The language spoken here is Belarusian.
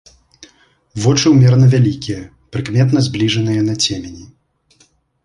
Вочы ўмерана вялікія, прыкметна збліжаныя на цемені.